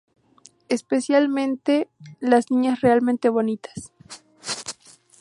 Especialmente las niñas realmente bonitas.